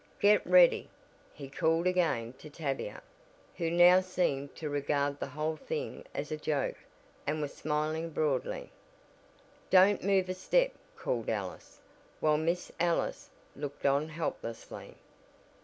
"Get ready!" he called again to Tavia, who now seemed to regard the whole thing as a joke, and was smiling broadly. "Don't move a step!" called Alice, while Miss Ellis looked on helplessly.